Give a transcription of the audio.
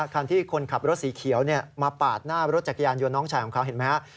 คันที่คนขับรถสีเขียวมาปาดหน้ารถจักรยานยนต์น้องชายของเขาเห็นไหมฮะ